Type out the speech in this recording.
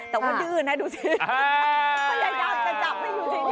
แต่ว่าดื่นนะดูซิ